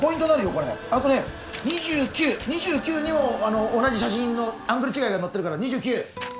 これあとね２９２９にも同じ写真のアングル違いが載ってるから２９